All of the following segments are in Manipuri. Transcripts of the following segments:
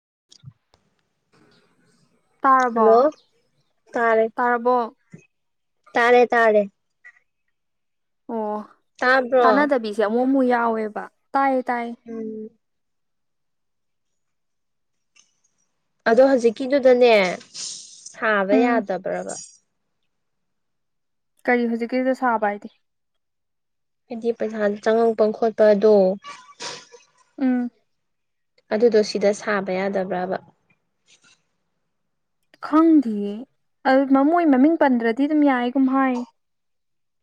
[inaudible] [unintelligible] ꯇꯥꯔꯕꯣ ꯍꯜꯂꯣ ꯇꯥꯔꯦ ꯇꯥꯔꯕꯣ ꯇꯥꯔꯦ ꯇꯥꯔꯦ ꯇꯥꯕ꯭ꯔꯣ ꯑꯃꯛ ꯑꯃꯨꯛ ꯌꯥꯎꯋꯦꯕ ꯇꯥꯏꯌꯦ ꯇꯥꯏ ꯎꯝ ꯑꯗꯣ ꯍꯧꯖꯤꯛꯀꯤꯗꯨꯗꯅꯦ ꯁꯥꯕ ꯎꯝ ꯌꯥꯗꯕ꯭ꯔꯕ ꯀꯔꯤ ꯍꯧꯖꯤꯛꯀꯤꯗ ꯁꯥꯕ ꯍꯥꯏꯗꯤ ꯍꯥꯏꯗꯤ ꯄꯩꯁꯥ ꯆꯪꯉꯛꯄ ꯈꯣꯠꯄꯗꯣ ꯎꯝ ꯑꯗꯨꯗꯣ ꯁꯤꯗ ꯁꯥꯕ ꯌꯥꯗꯕ꯭ꯔꯥꯕ ꯈꯪꯗꯦꯌꯦ ꯃꯃꯣꯏ ꯃꯃꯤꯡ ꯄꯟꯗ꯭ꯔꯗꯤ ꯑꯗꯨꯝ ꯌꯥꯏꯒꯨꯝ ꯍꯥꯏ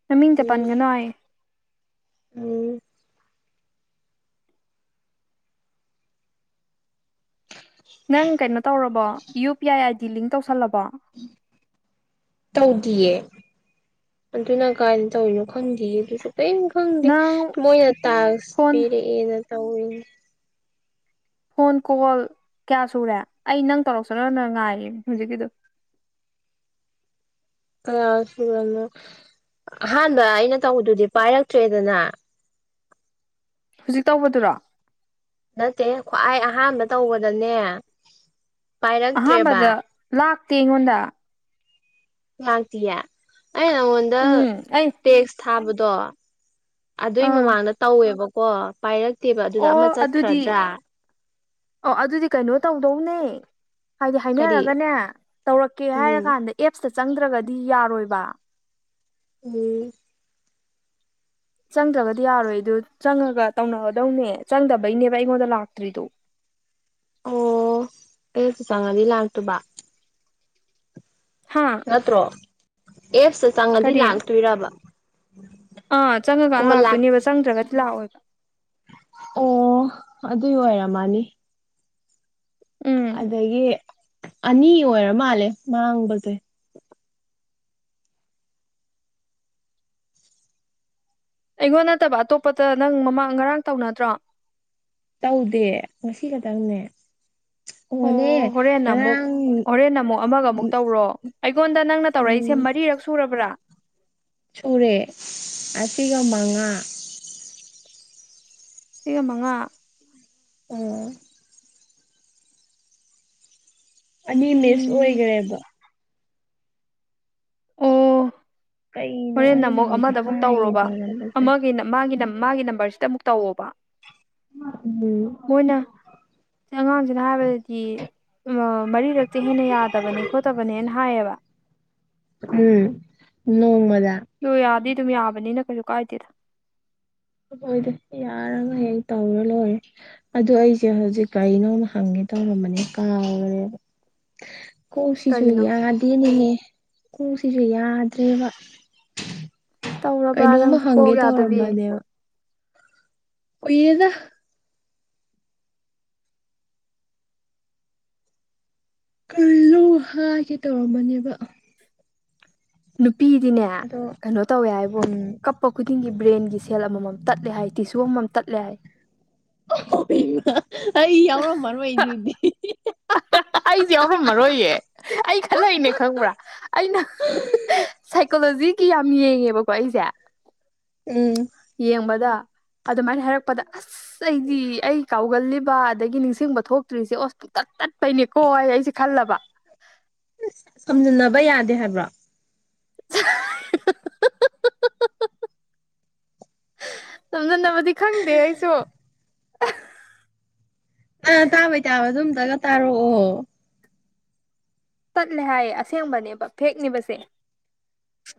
ꯃꯃꯤꯡ ꯆ ꯎꯝ ꯄꯟꯒ ꯍꯥꯏ ꯎꯝ ꯅꯪ ꯀꯩꯅꯣ ꯇꯧꯔꯕꯣ U P I ID link ꯇꯧꯁꯜꯂꯕꯣ ꯇꯧꯗꯤꯌꯦ ꯑꯗꯨꯅ ꯀꯥꯏꯅ ꯇꯧꯔꯤꯅꯣ ꯈꯪꯗꯦꯌꯦ ꯑꯗꯨꯁꯨ ꯀꯅ ꯈꯪꯗꯦ ꯅꯪ ꯃꯣꯏꯅ ꯇ ꯐꯣꯟ ꯄꯤꯔꯛꯑꯦꯅ ꯇꯧꯋꯅꯦ ꯐꯣꯟ ꯀꯣꯜ ꯀꯌꯥ ꯁꯨꯔꯦ ꯑꯩ ꯅꯪ ꯇꯧꯔꯛꯁꯅꯅ ꯉꯥꯏꯔꯤ ꯍꯧꯖꯤꯛꯀꯤꯗꯨ ꯑꯁꯨꯣ ꯑꯍꯥꯟꯕ ꯑꯩꯅ ꯇꯧꯕꯗꯨꯗꯤ ꯄꯥꯏꯔꯛꯇ꯭ꯔꯦꯗꯅ ꯍꯧꯖꯤꯛ ꯇꯧꯕꯗꯨꯔꯣ ꯅꯠꯇꯦ ꯈ꯭ꯋꯥꯏ ꯑꯍꯥꯟꯕ ꯇꯧꯕꯗꯅꯦ ꯄꯥꯏꯔꯛꯇ꯭ꯔꯦꯕ ꯑꯍꯥꯟꯕꯗ ꯂꯥꯛꯇ ꯑꯩꯉꯣꯟꯗ ꯉꯥꯛꯇꯤꯌꯦ ꯑ ꯅꯉꯣꯟꯗ ꯎꯝ ꯑꯩ ꯇꯦꯛꯁ ꯊꯥꯕꯗꯣ ꯑꯗꯨꯏ ꯑꯥ ꯃꯃꯥꯡꯗ ꯇꯧꯋꯦꯕꯀꯣ ꯄꯥꯏꯔꯛꯇꯦꯕ ꯑꯗꯨꯗ ꯑꯃ ꯑꯣ ꯑꯗꯨꯗꯤ ꯆꯠꯈ꯭ꯔꯗ꯭ꯔꯥ ꯑꯣ ꯑꯗꯨꯗꯤ ꯀꯩꯅꯣ ꯇꯧꯗꯧꯅꯦ ꯍꯥꯏꯗꯤ ꯀꯔꯤ ꯍꯥꯏꯅꯔꯒꯅꯦ ꯇꯧꯔꯛꯀꯦ ꯍꯥꯏꯔ ꯎꯝ ꯀꯥꯟꯗ ꯑꯦꯞꯁꯇ ꯆꯪꯗ꯭ꯔꯒꯗꯤ ꯌꯥꯔꯣꯏꯕ ꯎ ꯆꯪꯗ꯭ꯔꯕꯗꯤ ꯌꯥꯔꯣꯏ ꯑꯗꯨ ꯆꯪꯉꯒ ꯇꯧꯅꯒꯗꯧꯅꯦ ꯆꯪꯗꯕꯩꯅꯦꯕ ꯑꯩꯉꯣꯟꯗ ꯂꯥꯛꯇ꯭ꯔꯤꯗꯣ ꯑꯣ ꯑꯩꯁꯨ ꯆꯪꯉꯗꯤ ꯂꯥꯛꯇꯕ ꯍꯥ ꯉꯠꯇ꯭ꯔꯣ ꯑꯦꯞꯁꯇ ꯆꯪꯉꯗꯤ ꯀꯔꯤ ꯂꯥꯛꯇꯣꯏꯔꯕ ꯑꯥ ꯆꯪꯉꯀꯥꯟꯗ ꯀꯣꯜ ꯂꯥꯛ ꯂꯥꯛꯇꯣꯏꯅꯦꯕ ꯆꯪꯗ꯭ꯔꯒꯗꯤ ꯂꯥꯛꯑꯣꯦꯕ ꯑꯣ ꯑꯗꯨ ꯑꯣꯏꯔ ꯃꯥꯅꯤ ꯎꯝ ꯑꯗꯒꯤ ꯑꯅꯤ ꯑꯣꯏꯔ ꯃꯥꯜꯂꯦ ꯃꯥꯡꯕꯁꯦ ꯑꯩꯉꯣꯟ ꯅꯠꯇꯕ ꯑꯇꯣꯞꯄꯇ ꯅꯪ ꯃꯃꯥꯡ ꯉꯔꯥꯡ ꯇꯧꯅꯗ꯭ꯔꯣ ꯇꯧꯗꯦ ꯉꯁꯤ ꯈꯛꯇꯪꯅꯦ ꯑꯣ ꯑꯣꯅꯦ ꯍꯣꯔꯦꯟ ꯑꯃꯨꯛ ꯉꯔꯥꯡ ꯍꯣꯔꯦꯟ ꯑꯃꯨꯛ ꯑꯃꯒ ꯑꯃꯨꯛ ꯇꯧꯔꯣ ꯑꯩꯉꯣꯟꯗ ꯅꯪꯅ ꯇꯧꯔꯛꯏꯁꯦ ꯎꯝ ꯃꯔꯤꯔꯛ ꯁꯨꯔꯕ꯭ꯔꯥ ꯁꯨꯔꯦ ꯑꯁꯤꯒ ꯃꯉꯥ ꯁꯤꯒ ꯃꯉꯥ ꯑꯣ ꯑꯅꯤ ꯃꯤꯁ ꯎꯝ ꯑꯣꯏꯒꯔꯦꯕ ꯑꯣ ꯀꯩꯅꯣ ꯍꯣꯔꯦꯟ ꯑꯩꯅ ꯑꯃꯨꯛ ꯍꯧꯖꯤꯛ ꯑꯃꯗ ꯑꯃꯨꯛ ꯍꯥꯏꯒꯦ ꯇꯧꯔꯣꯕ ꯇꯧꯔꯝꯕꯁꯦ ꯑꯃꯒꯤ ꯃꯥꯒꯤ ꯃꯥꯒꯤ ꯅꯝꯕꯔꯁꯤꯗ ꯑꯃꯨꯛ ꯇꯧꯋꯣꯕ ꯎꯝ ꯃꯣꯏꯅ ꯑꯉꯥꯡꯁꯤꯅ ꯍꯥꯏꯕꯗꯗꯤ ꯑꯝ ꯃꯔꯤꯔꯛꯇꯩ ꯍꯦꯟꯅ ꯌꯥꯗꯕꯅꯦ ꯈꯣꯠꯇꯕꯅꯦꯅ ꯍꯥꯏꯌꯦꯕ ꯎꯝ ꯅꯣꯡ ꯃꯗ ꯑꯗꯣ ꯌꯥꯗꯤ ꯑꯗꯨꯝ ꯌꯥꯕꯅꯤꯅ ꯀꯩꯁꯨ ꯀꯥꯏꯗꯦꯗ ꯍꯣꯏꯗ ꯌꯥꯔꯒ ꯍꯦꯛ ꯇꯧꯔ ꯂꯣꯏꯔꯦ ꯑꯗꯨ ꯑꯩꯁꯦ ꯍꯧꯖꯤꯛ ꯀꯩꯅꯣꯝ ꯍꯪꯉꯦꯅ ꯇꯧꯔꯝꯕꯅꯦ ꯀꯥꯎꯔꯦꯕ ꯀꯣꯛ ꯁꯤꯁꯨ ꯀꯔꯤꯅꯣ ꯌꯥꯗꯦꯅꯦꯍꯦ ꯀꯣꯛꯁꯤꯁꯨ ꯌꯥꯗ꯭ꯔꯦꯕ ꯇꯧꯔꯕ꯭ꯔꯥ ꯀꯩꯅꯣꯝꯃꯥ ꯅꯪꯁꯨ ꯍꯪꯒꯦ ꯀꯣꯛ ꯌꯥꯗꯕꯤ ꯇꯧꯔꯝꯕꯅꯦꯕ ꯀꯨꯏꯔꯦꯗ ꯀꯔꯤꯅꯣꯝꯃꯥ ꯍꯥꯏꯒꯦ ꯇꯧꯔꯝꯕꯅꯦꯕ ꯅꯨꯄꯤꯗꯤꯅꯦ ꯑꯗꯣ ꯀꯩꯅꯣ ꯇꯧꯋꯦ ꯍꯥꯏꯕꯣ ꯎꯝ ꯀꯞꯄ ꯈꯨꯗꯤꯡꯒꯤ ꯕ꯭ꯔꯦꯟꯒꯤ ꯁꯦꯜ ꯑꯃꯃꯝ ꯇꯠꯂꯦ ꯍꯥꯏ ꯇꯤꯁꯨ ꯑꯃꯃꯝ ꯇꯠꯂꯦ ꯍꯥꯏ ꯑꯩ ꯌꯥꯎꯔꯝꯕꯣꯏꯗꯨꯗꯤ ꯑꯩꯁꯦ ꯌꯥꯎꯔꯝꯃꯔꯣꯏꯌꯦ ꯑꯩ ꯈꯜꯂꯛꯏꯅꯦ ꯈꯪꯕ꯭ꯔꯥ ꯑꯩꯅ ꯁꯥꯏꯀꯣꯂꯣꯖꯤ ꯁꯤꯒꯤ ꯌꯥꯝ ꯌꯦꯡꯉꯦꯕꯀꯣ ꯑꯩꯁꯦ [inaudible] [inaudible] [inaudible] ꯎꯝ ꯌꯦꯡꯕꯗꯥ ꯑꯗꯨꯃꯥꯏꯅ ꯍꯥꯏꯔꯛꯄꯗ ꯑꯁ ꯑꯩꯗꯤ ꯑꯩ ꯀꯥꯎꯒꯜꯂꯤꯕ ꯑꯗꯒꯤ ꯅꯤꯡꯁꯤꯡꯕ ꯊꯣꯛꯇ꯭ꯔꯤꯁꯦ ꯑꯣ ꯇꯠ ꯇꯠꯄꯩꯅꯦꯀꯣ ꯑꯩꯁꯦ ꯈꯜꯂꯕ ꯁꯝꯖꯤꯟꯅꯕ ꯌꯥꯗꯦ ꯍꯥꯏꯕ꯭ꯔꯣ [unintelligible] [inaudible] ꯁꯝꯖꯟꯅꯕꯗꯤ ꯈꯪꯗꯦ ꯑꯩꯁꯨ ꯑ ꯇꯥꯕꯩ ꯇꯥꯕ ꯑꯗꯨꯝꯇꯪꯒ ꯇꯥꯔꯛꯑꯣ ꯇꯠꯂꯦ ꯍꯥꯏꯌꯦ ꯑꯁꯦꯡꯕꯅꯦꯕ ꯐꯦꯛꯅꯦꯕꯁꯦ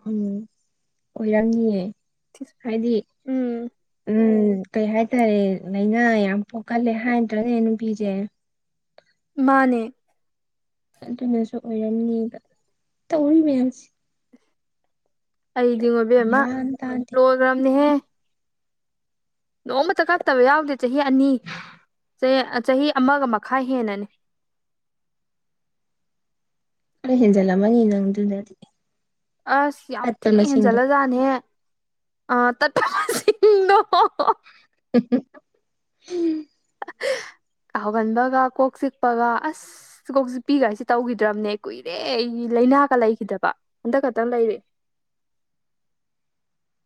ꯎꯝ ꯑꯣꯏꯔꯝꯅꯤꯌꯦ ꯍꯥꯏꯗꯤ ꯎꯝ ꯎꯝ ꯀꯩ ꯍꯥꯏꯇꯥꯔꯦ ꯂꯩꯏꯅꯥ ꯌꯥꯝ ꯄꯣꯛꯀꯜꯂꯦ ꯍꯥꯏꯗ꯭ꯔꯅꯦ ꯅꯨꯄꯤꯁꯦ ꯃꯥꯅꯦ ꯑꯗꯨꯅꯁꯨ ꯑꯣꯏꯔꯝꯅꯦꯕ ꯇꯧꯔꯤ ꯃꯌꯥꯝꯁꯦ ꯑꯩꯗꯤꯉꯣ ꯏꯕꯦꯝꯃꯥ ꯒ꯭ꯌꯥꯟ ꯇꯥꯗꯦ ꯂꯣꯏꯈ꯭ꯔꯕꯅꯤꯍꯦ ꯅꯣꯡꯃꯇ ꯀꯞꯇꯕ ꯌꯥꯎꯗꯦ ꯆꯍꯤ ꯑꯅꯤ ꯆꯍꯤ ꯑꯃꯒ ꯃꯈꯥꯏ ꯍꯦꯟꯅꯅꯦ [unintelligible] [inaudible] ꯑ ꯍꯦꯟꯖꯂꯝꯃꯥꯅꯤ ꯑꯗꯨꯅꯗꯤ ꯑꯁ ꯌꯥꯝ ꯊꯤ ꯍꯦꯟꯖꯜꯂ ꯖꯥꯠꯅꯦꯍꯦ ꯑ ꯇꯠꯞ ꯃꯁꯤꯡꯗꯣ ꯎꯝ [unintelligible] [inaudible] [unintelligible] [inaudible] ꯀꯥꯎꯒꯟꯕꯒ ꯀꯣꯛ ꯆꯤꯛꯄꯒ ꯑꯁ ꯀꯣꯛ ꯆꯤꯛꯄꯤꯒꯁꯦ ꯇꯧꯈꯤꯗ꯭ꯔꯕꯅꯦ ꯀꯨꯏꯔꯦ ꯑꯩ ꯂꯩꯅꯥꯒ ꯂꯩꯈꯤꯗꯕ ꯍꯟꯗꯛ ꯈꯛꯇꯪ ꯂꯩꯔꯤ [unintelligible] [inaudible]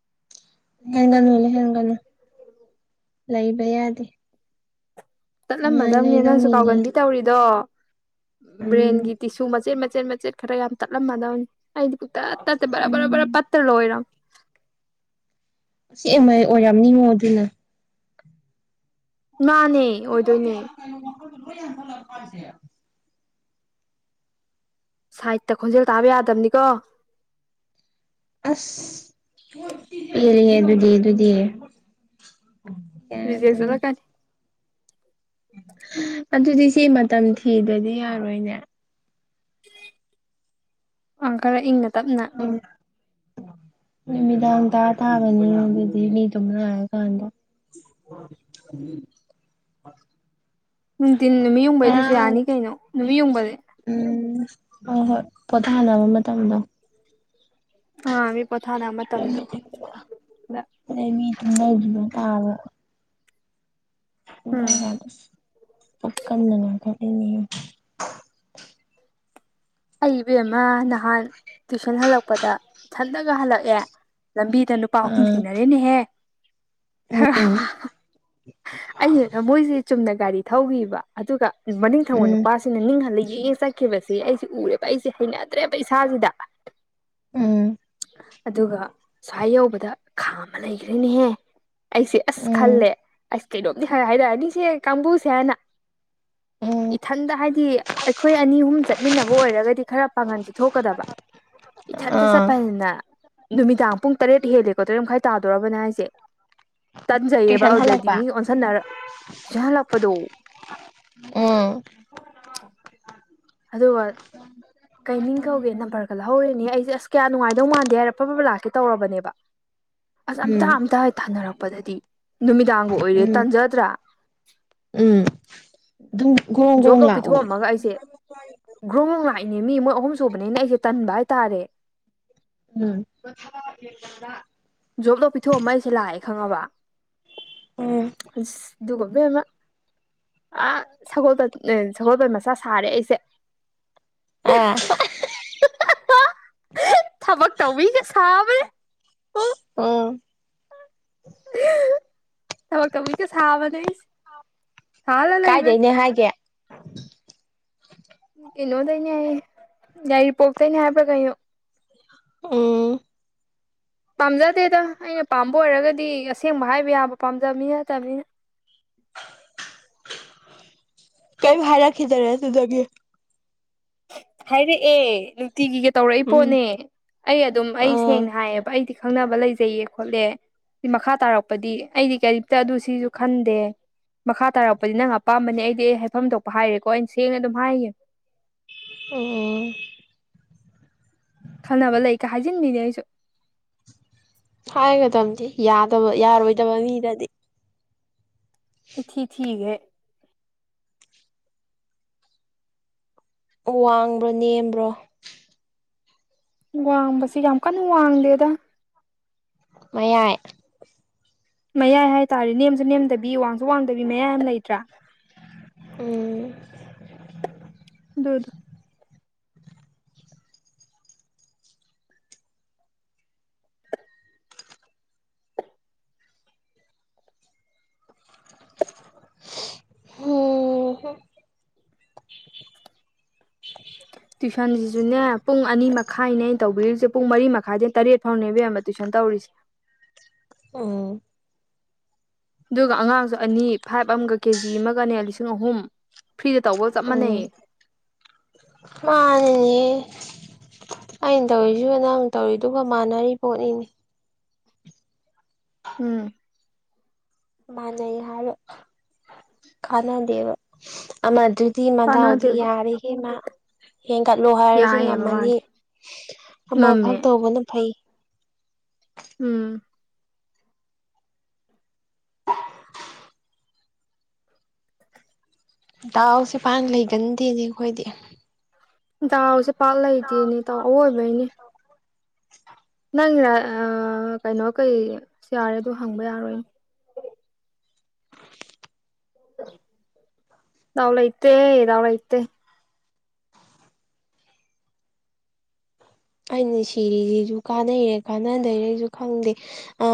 ꯂꯩꯍꯟꯒꯅꯨ ꯂꯩꯍꯟꯒꯅꯨ ꯂꯩꯕ ꯌꯥꯗꯦ ꯅꯨꯡꯉꯥꯏ ꯇꯠꯂꯝꯃꯗꯕꯅꯦ ꯅꯪꯁꯨ ꯂꯩꯗꯧꯅꯤꯅꯦ ꯀꯥꯎꯒꯟꯕꯤ ꯇꯧꯔꯤꯗꯣ ꯎꯝ ꯕ꯭ꯔꯦꯟꯒꯤ ꯇꯤꯁꯨ ꯃꯆꯦꯠ ꯃꯆꯦꯠ ꯃꯆꯦꯠ ꯈꯔ ꯌꯥꯝ ꯇꯠꯂꯝꯃꯗꯧꯅꯤ ꯑꯩꯗꯤ ꯄꯨꯇꯠ ꯇꯠꯇꯦ ꯕꯔꯕꯔꯕꯔ ꯎꯝ ꯄꯠꯇ ꯂꯣꯏꯔꯝꯅꯤ ꯑꯁꯦꯡꯕꯩ ꯑꯣꯏꯔꯝꯅꯤꯉꯣ ꯑꯗꯨꯅ ꯃꯥꯅꯦ ꯑꯣꯏꯗꯣꯏꯅꯦ ꯄꯥꯏꯁꯦ [unintelligible] [inaudible] ꯁꯥꯏꯠꯇ ꯈꯣꯟꯖꯦꯜ ꯇꯥꯕ ꯌꯥꯗꯕꯅꯤꯀꯣ ꯑꯁ ꯌꯦꯔꯤꯑꯦ ꯑꯗꯨꯗꯤ ꯑꯗꯨꯗꯤ ꯀ ꯔꯤꯖꯦꯛ ꯇꯅꯤ [unintelligible] ꯆꯠꯂꯛꯀꯅꯤ [inaudible] ꯑꯗꯨꯗꯤ ꯁꯤ ꯃꯇꯝ ꯊꯤꯗ꯭ꯔꯗꯤ ꯌꯥꯔꯣꯏꯅꯦ ꯑ ꯈꯔ ꯏꯪꯅ ꯇꯞꯅ ꯃꯤꯃꯤꯗꯥꯗ ꯊꯥꯕꯅꯤꯗꯤ ꯃꯤ ꯇꯃꯅꯥ ꯈꯟꯗ ꯎꯝ [unintelligible] [inaudible] ꯅꯨꯡꯊꯤꯟ ꯅꯨꯃꯤꯠ ꯌꯨꯡꯕꯩꯗꯨꯁꯨ ꯌꯥꯅꯤ ꯀꯩꯅꯣ ꯅꯨꯃꯤꯠ ꯌꯨꯡꯕꯩ ꯎꯝ ꯍꯣꯏ ꯍꯣꯏ ꯄꯣꯊꯥꯅꯕ ꯃꯇꯝꯗꯣ ꯑꯥ ꯃꯤ ꯄꯊꯥꯅ ꯑꯃ ꯇꯝꯗꯣ [inaudible] ꯃꯤ ꯊꯗꯅ ꯇꯣ ꯎꯝ ꯗ ꯄꯀꯟꯗꯅ [inaudible] ꯑꯩꯕꯦꯝꯃ ꯅꯍꯥꯟ ꯇꯨꯏꯁꯟ ꯍꯜꯂꯛꯄꯗ ꯁꯜꯂꯒ ꯍꯜꯂꯛꯑꯦ ꯂꯝꯕꯤꯗ ꯅꯨꯄꯥ ꯑꯍꯨꯝ ꯑꯥ ꯊꯦꯡꯅꯔꯦꯅꯦꯍꯦ ꯎꯝ ꯑꯩ ꯍ ꯃꯣꯏꯁꯦ ꯆꯨꯝꯅ ꯒꯥꯔꯤ ꯊꯧꯈꯤꯕ ꯑꯗꯨꯒ ꯃꯅꯤꯡ ꯊꯋꯥꯜ ꯎꯝ ꯅꯨꯄꯥꯁꯤꯅ ꯅꯤꯡꯍꯜꯂ ꯌꯦꯛꯑꯦ ꯆꯠꯈꯤꯕꯁꯦ ꯑꯩꯁ ꯎꯔꯦꯕ ꯑꯩꯁꯦ ꯍꯩꯅꯗ꯭ꯔꯦ ꯄꯩꯁꯥꯁꯤꯗ ꯎꯝ ꯑꯗꯨꯒ ꯁꯨꯋꯥꯏ ꯌꯧꯕꯗ ꯈꯥ ꯑꯃ ꯂꯩꯈ꯭ꯔꯦꯅꯦꯍꯦ ꯑꯩꯁꯦ ꯑꯁ ꯎꯝ ꯈꯜꯂꯦ ꯑꯁ ꯀꯩꯅꯣꯝꯗꯤ ꯈꯔ ꯍꯥꯏꯔꯛꯑꯅꯤꯁꯦ ꯀꯥꯡꯕꯨꯁꯦ ꯍꯥꯏꯅ ꯎꯝ ꯏꯊꯟꯗ ꯍꯥꯏꯗꯤ ꯑꯩꯈꯣꯏ ꯑꯅꯤ ꯑꯍꯨꯝ ꯆꯠꯃꯤꯟꯅꯕ ꯑꯣꯏꯔꯒꯗꯤ ꯈꯔ ꯄꯥꯡꯒꯟꯁ ꯊꯣꯛꯀꯗꯕ ꯏꯊꯟꯇ ꯑꯥ ꯆꯠꯄꯅꯤꯅ ꯅꯨꯃꯤꯗꯥꯡ ꯄꯨꯡ ꯇꯔꯦꯠ ꯍꯦꯜꯂꯦꯀꯣ ꯇꯔꯦꯠ ꯃꯈꯥꯏ ꯇꯥꯗꯣꯔꯔꯕꯕꯅ ꯍꯥꯏꯁꯦ ꯇꯟꯖꯩꯌꯦꯕ ꯇꯨꯏꯁꯟ ꯑꯗꯨꯗꯗꯤ ꯍꯜꯂꯛꯄ ꯃꯤ ꯑꯣꯟꯁꯟꯅꯔ ꯆꯍꯜꯂꯛꯄꯗꯣ ꯎꯝ ꯑꯗꯨꯒ ꯀꯩ ꯃꯤꯡ ꯀꯧꯒꯦ ꯅꯝꯕꯔꯒ ꯂꯧꯍꯧꯔꯦꯅꯦ ꯑꯩ ꯁꯤꯁꯦ ꯑꯁ ꯀꯌꯥ ꯅꯨꯡꯉꯥꯏꯗꯧ ꯃꯥꯟꯗꯦ ꯍꯥꯏꯔꯦ ꯑꯐꯕ ꯂꯥꯛꯀꯦ ꯇꯧꯔꯕꯅꯦꯕ ꯑꯁ ꯑꯝꯇꯥ ꯎꯝ ꯑꯝꯇ ꯊꯥꯅꯔꯛꯄꯗꯗꯤ ꯅꯨꯃꯤꯗꯥꯡꯒ ꯑꯣꯏꯔꯦ ꯎꯝ ꯇꯥꯟꯖꯗ꯭ꯔꯥ ꯎꯝ ꯑꯗꯨꯝ ꯒ꯭ꯔꯣꯡ ꯖꯣꯕ ꯒ꯭ꯔꯣꯡ ꯂꯣ ꯂꯥꯛꯎ ꯄꯤꯊꯣꯛꯑꯝꯃꯒ ꯑꯩꯁꯦ ꯒ꯭ꯔꯨꯝꯃ ꯂꯥꯛꯏꯅꯦ ꯃꯤ ꯃꯣꯏ ꯑꯍꯨꯝ ꯁꯨꯕꯅꯤꯅ ꯑꯩꯁꯦ ꯇꯟꯕ ꯍꯥꯏꯇꯥꯔꯦ ꯎꯝ ꯖꯣꯕꯇꯣ ꯄꯤꯊꯣꯛꯑꯝꯃ ꯑꯩꯁꯦ ꯂꯥꯛꯑꯦ ꯈꯪꯉꯕ ꯎꯝ ꯑꯗꯨꯗꯨꯒꯕꯃ ꯑ ꯁꯣ ꯁꯒꯣꯜꯕꯟ ꯃꯆꯥ ꯁꯥꯔꯦ ꯑꯩꯁꯦ ꯑꯥ ꯊꯕꯛ ꯇꯧꯕꯋꯒ ꯁꯥꯕꯦ ꯎ ꯑ ꯊꯃ ꯀꯃꯤ ꯀꯁ ꯍꯥꯕꯅꯁꯤ ꯍꯥ ꯂ ꯂꯩ ꯏꯕ ꯀꯥꯏꯗꯩꯅꯦ [unintelligible] ꯀꯩꯅꯣꯗꯅꯦ ꯍꯥꯏꯌꯦ ꯌꯥꯒꯥꯏꯔꯤ ꯄꯣꯛꯇꯅꯦ ꯍꯥꯏꯕ꯭ꯔꯥ ꯀꯩꯅꯣ ꯎꯝ ꯄꯥꯝꯖꯗꯦꯗ ꯑꯩꯅ ꯄꯥꯝꯕ ꯑꯣꯏꯔꯒꯗꯤ ꯑꯁꯦꯡꯕ ꯍꯥꯏꯕ ꯌꯥꯕ ꯄꯥꯝꯖꯕꯅꯤ ꯅꯠꯇꯕꯅꯤꯅ ꯀꯩ ꯍꯥꯏꯔ ꯈꯈꯤꯗꯔꯦ ꯑꯗꯨꯗꯒꯤ ꯍꯥꯏꯗꯤꯦ ꯑꯦ ꯅꯨꯡꯇꯤꯒꯤꯒ ꯇꯧꯔꯛꯏ ꯎꯝ ꯄꯣꯠꯅꯦ ꯑꯩ ꯑꯗꯨꯝ ꯑꯩ ꯑꯥ ꯁꯦꯡꯅ ꯍꯥꯏꯌꯦꯕ ꯑꯩꯗꯤ ꯈꯪꯅꯕ ꯂꯩꯖꯩꯌꯦ ꯈꯣꯠꯂꯦ ꯁꯤ ꯃꯈꯥ ꯇꯥꯔꯛꯄꯗꯤ ꯑꯩꯗꯤ ꯀꯔꯤꯝꯇ ꯑꯗꯨ ꯁꯤꯁꯨ ꯈꯟꯗꯦ ꯃꯈꯥ ꯇꯥꯔꯛꯄꯗꯤ ꯅꯪ ꯑꯄꯥꯝꯕꯅꯦ ꯑꯩꯗꯤ ꯑꯩ ꯍꯥꯏꯐꯝ ꯊꯣꯛꯄ ꯍꯥꯏꯔꯦꯀꯣ ꯑꯩꯅ ꯁꯦꯡꯅ ꯑꯗꯨꯝ ꯍꯥꯏꯒꯦ ꯑꯣ ꯈꯟꯅꯅꯕ ꯂꯩꯀ ꯍꯥꯏꯖꯤꯟꯕꯤꯅꯦ ꯑꯩꯁꯨ ꯍꯥꯏꯒꯗꯝꯗꯤꯦ ꯌꯥꯗꯕ ꯌꯥꯔꯣꯏꯗꯕ ꯃꯤꯗꯗꯤ ꯏꯆꯤ ꯊꯤ ꯍ ꯋꯥꯡꯕ꯭ꯔꯣ ꯅꯦꯝꯕ꯭ꯔꯣ ꯋꯥꯡꯕꯁꯤ ꯌꯥꯝ ꯀꯟꯅ ꯋꯥꯡꯗꯦꯗ ꯃꯌꯥꯏ ꯃꯌꯥꯏ ꯍꯥꯏꯇꯥꯔꯦ ꯅꯦꯝꯁꯨ ꯅꯦꯝꯗꯕꯤ ꯋꯥꯡꯁꯨ ꯋꯥꯡꯗꯕꯤ ꯃꯌꯥꯏ ꯑꯃ ꯂꯩꯇ꯭ꯔꯥ ꯎ ꯗ ꯎꯝ ꯇꯨꯏꯁꯟꯁꯤꯁꯨꯅꯦ ꯄꯨꯡ ꯑꯅꯤ ꯃꯈꯥꯏꯅꯦ ꯑꯩꯅ ꯇꯧꯕꯤꯔꯤꯁꯦ ꯄꯨꯡ ꯃꯔꯤ ꯃꯈꯥꯏꯗꯩꯅ ꯇꯔꯦꯠ ꯐꯥꯎꯅꯦꯕ ꯌꯥꯝꯕ ꯇꯨꯏꯁꯟ ꯇꯧꯔꯤꯁꯦ [unintelligible] ꯑꯗꯨꯒ ꯑꯉꯥꯡꯁꯨ ꯑꯅꯤ ꯐꯥꯏꯚ ꯑꯃꯒ ꯀꯦꯖꯤ ꯑꯃꯒꯅꯦ ꯂꯤꯁꯤꯡ ꯑꯍꯨꯝ ꯐ꯭ꯔꯤꯗ ꯇꯧꯕꯒ ꯆꯞ ꯃꯥꯟꯅꯩꯌꯦ ꯃꯥꯅꯦ ꯑꯩꯅ ꯇꯧꯔꯤꯁꯨ ꯅꯥꯡ ꯇꯧꯔꯤ ꯑꯗꯨꯒꯒ ꯃꯥꯟꯅꯔꯤ ꯄꯣꯠꯅꯤꯅꯦ ꯎꯝ ꯃꯥꯅ ꯍꯥꯏꯔ ꯀꯅ ꯗꯕ ꯑꯃ ꯐꯃꯗꯥꯥꯎꯗꯤ ꯀꯥꯟꯅꯗꯦꯕ ꯌꯥꯔ ꯍ ꯃꯥ ꯍꯦꯟꯒꯠꯂꯣ ꯍꯥꯏꯔꯁꯨ ꯌꯥꯏꯑꯕ ꯉꯝꯃꯅꯤ ꯃꯥꯗꯤ ꯉꯝꯃꯦ ꯑꯃꯈꯛ ꯇꯧꯕꯅ ꯐꯩ ꯎꯝ ꯗꯥꯎꯁꯦ ꯄꯥꯟꯅ ꯂꯩꯒꯟꯗꯦꯅꯦ ꯑꯩꯈꯣꯏꯗꯤ ꯗꯥꯎꯁꯦ ꯄꯥꯠ ꯂꯩꯇꯦꯅꯦ ꯇꯗꯥꯎ ꯑꯋꯣꯏꯕꯩꯅꯦ ꯅꯪꯔ ꯀꯩꯅꯣ ꯀꯩ ꯌꯥꯔꯦ ꯑꯗꯨꯣ ꯍꯪꯕ ꯌꯥꯔꯣꯏꯅꯦ ꯌꯥꯎꯂꯥꯏꯇꯦ ꯌꯥꯎꯂ ꯏꯇꯦ ꯑꯩꯅ ꯁꯤꯔꯤꯁꯤꯁꯨ ꯀꯥꯟꯅꯩꯔꯦ ꯀꯥꯟꯅꯗꯩꯔꯦꯁꯨ ꯈꯪꯗꯦ ꯑ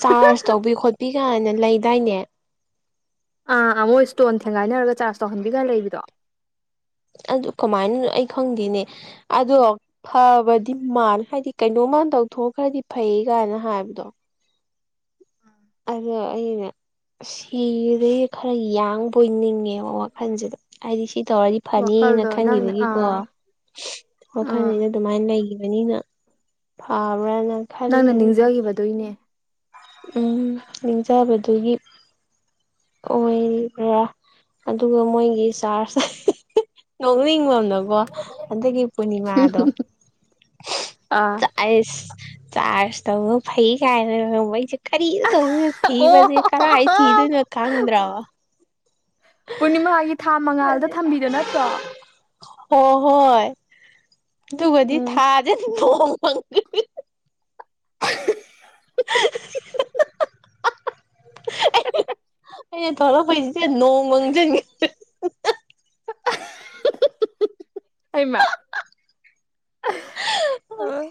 ꯆꯥꯔꯖ ꯇꯧꯕꯤ ꯈꯣꯠꯄꯤ ꯀꯥꯏꯅ ꯂꯩꯗꯥꯏꯅꯦ ꯑꯥ ꯑꯥ ꯃꯣꯏ ꯏꯁꯇꯣꯟ ꯊꯦꯡꯒꯥꯏꯅꯔꯒ ꯆꯥꯔꯖ ꯇꯧꯍꯟꯕꯤꯒ ꯂꯩꯕꯤꯗꯣ ꯑꯗꯨ ꯀꯃꯥꯏꯅ ꯑꯩ ꯈꯪꯗꯦꯅꯦ ꯑꯗꯣ ꯐꯕꯗꯤ ꯃꯥꯜ ꯍꯥꯏꯗꯤ ꯀꯩꯅꯣ ꯀꯃꯥꯟ ꯇꯧꯊꯣꯛꯈ꯭ꯔꯗꯤ ꯐꯩ ꯀꯥꯏꯅ ꯍꯥꯏꯕꯗꯣ ꯑꯗꯣ ꯑꯅꯦ ꯁꯤꯗꯒꯤꯩ ꯈꯔ ꯌꯥꯡꯕ ꯑꯣꯏꯅꯤꯡꯉꯦꯕ ꯋꯥꯈꯜꯁꯤꯗ ꯍꯥꯏꯗꯤ ꯁꯤ ꯇꯧꯔꯗꯤ ꯐꯅꯤꯅ ꯋꯥꯈꯜꯗꯣ ꯅꯪꯅ ꯈꯟꯈꯤꯕꯒꯤꯀꯣ ꯑꯥ ꯑꯥ ꯋꯥꯈꯟꯅ ꯑꯗꯨꯃꯥꯏꯅ ꯂꯩꯒ ꯅꯤꯅ ꯐꯥꯕ꯭ꯔꯅ ꯅꯪꯅ ꯅꯤꯡꯖꯒꯤꯈꯤꯕꯗꯣꯏꯅꯦ ꯎ ꯂꯦꯡꯖꯕꯗꯨꯒꯤ ꯑꯣꯏꯔꯤꯕ꯭ꯔꯥ ꯑꯗꯨꯒ ꯃꯣꯏꯒꯤ ꯆꯥꯔꯖ ꯅꯣꯛꯅꯤꯡꯕ ꯀꯣ ꯑꯗꯒꯤ ꯄꯨꯔꯅꯤꯃꯥꯗꯣ ꯑꯥ ꯑꯩꯁ ꯆꯥꯔꯖ ꯇ ꯐꯩ ꯀꯥꯏ ꯀꯔꯤꯗ ꯇꯧꯗꯣꯏꯅꯣ ꯑꯣ ꯊꯤꯕꯁꯦ ꯀꯔꯥꯏ ꯊꯤꯗꯣꯏꯅꯣ ꯈꯪꯗ꯭ꯔꯕ ꯄꯨꯔꯅꯤꯃꯥꯒꯤ ꯊꯥ ꯃꯉꯥꯜꯗ ꯊꯝꯕꯤꯗ ꯅꯠꯇ꯭ꯔꯣ ꯍꯣ ꯍꯣꯏ ꯇꯨꯡꯒꯗꯤ ꯎꯝ ꯊꯥꯖꯦ ꯄꯨꯡ ꯐꯥꯡ [inaudible] ꯊꯔ ꯄꯩꯁꯤ ꯅꯣꯡꯪꯖ [inaudible] ꯍꯃ ꯑꯣ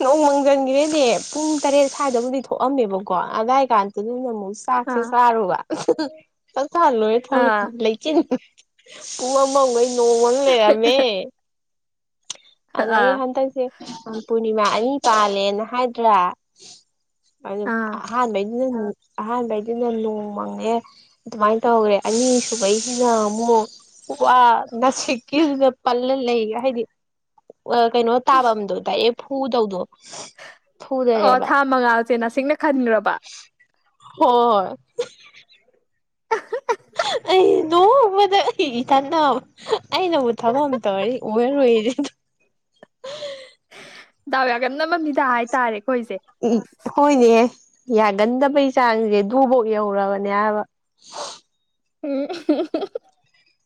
ꯎ ꯅꯣꯡ ꯃꯪꯖꯟꯈꯔꯦꯅꯦ ꯄꯨꯡ ꯇꯔꯦꯠ ꯁ꯭ꯋꯥꯏꯗꯕꯨꯗꯤ ꯊꯣꯛꯑꯝꯃꯦꯕꯀꯣ ꯑꯗꯨꯋꯥꯏ ꯀꯥꯟꯗ ꯑꯃꯨꯛ ꯆꯥꯛꯁꯦ ꯆꯥꯔꯨꯕ ꯆ ꯆꯥ ꯂꯣꯏꯔ ꯑꯥ ꯊꯣꯛꯂꯛꯄꯗꯤ ꯂꯩꯇꯦ ꯄꯨꯡ ꯑꯃꯈꯩ ꯅꯣꯡꯃꯅ ꯂꯩꯔꯝꯃꯦ ꯑꯗꯨꯗꯒꯤ ꯑꯥ ꯍꯟꯗꯛꯁꯦ ꯄꯨꯔꯅꯤꯃꯥ ꯑꯅꯤ ꯄꯥꯜꯂꯦꯅ ꯍꯥꯏꯗ꯭ꯔꯥ ꯥꯟ ꯑꯥ ꯃ ꯑꯍꯥꯟꯕꯩꯗꯨꯅ ꯅꯣꯡ ꯃꯪꯉꯦ ꯑꯗꯨꯃꯥꯏꯅ ꯇꯧꯈ꯭ꯔꯦ ꯑꯅꯤ ꯁꯕꯩꯁꯤꯅ ꯑꯃꯨꯛ ꯋꯥ ꯉꯁꯤꯛꯀꯤꯗꯨꯗ ꯄꯜꯂ ꯂꯩꯒ ꯍꯥꯏꯗꯤ ꯀꯩꯅꯣ ꯇꯥꯕ ꯑꯗꯣꯗ ꯑꯦ ꯐꯨꯗꯧꯗꯣ ꯑꯣ ꯐꯨꯗꯔꯦꯕ ꯊꯥ ꯃꯉꯥꯁꯦ ꯅꯁꯤꯡꯅ ꯈꯟꯔꯕ ꯍꯣꯏ ꯍ ꯑꯩ ꯅꯣꯡꯕꯗ ꯑꯩ ꯏꯊꯅ ꯑꯩꯅꯕꯨ ꯊꯕꯛ ꯑꯃ ꯇꯧꯔꯦ ꯎꯔꯨꯔꯦꯗ [inaudible] ꯗꯎ ꯌꯥꯒ ꯅ ꯃꯅꯤꯗ ꯍꯥꯏꯥꯏ ꯇꯥꯔꯦ ꯎ ꯍꯣꯏꯅꯤ ꯑꯦ ꯌꯥꯒꯟꯗꯕꯩ ꯆꯥꯡꯁꯦ ꯨꯐꯧ ꯌꯍꯧꯔꯕꯅꯦ ꯍꯥꯏꯕ ꯎꯝ